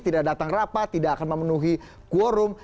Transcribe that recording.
tidak datang rapat tidak akan memenuhi quorum